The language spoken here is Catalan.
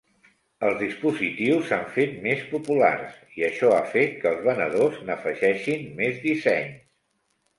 Els dispositius s'han fet més populars, i això ha fet que els venedors n'afegeixin més dissenys.